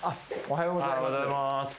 おはようございます。